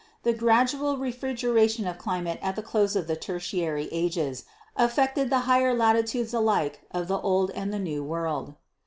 The gradual refrigeration of climate at the close of the Tertiary ages affected the higher latitudes alike of the Old and the New World.